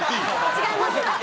違います。